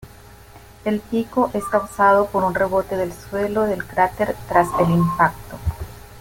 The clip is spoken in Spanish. El pico es causado por un rebote del suelo del cráter tras el impacto.